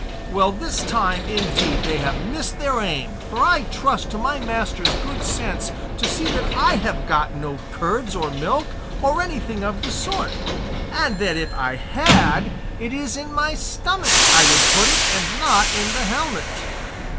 Well, this time, indeed, they have missed their aim, for I trust to my master's good sense to see that I have got no curds or milk, or anything of the sort; and that if I had it is in my stomach I would put it and not in the helmet."